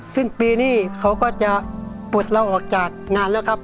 สิ้นปีนี้เขาก็จะปลดเราออกจากงานแล้วครับ